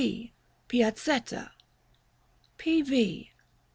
B. Piazzetta. P.